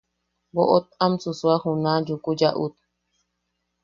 Boʼot am susua juna Yuku Yaʼut.